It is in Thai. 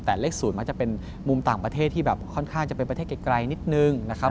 แต่เลข๐มักจะเป็นมุมต่างประเทศที่แบบค่อนข้างจะเป็นประเทศไกลนิดนึงนะครับ